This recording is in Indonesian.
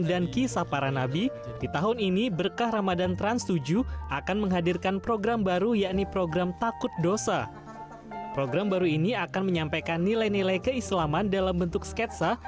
jadi memang di tahun ini kita punya yang baru ya ini namanya takut dosa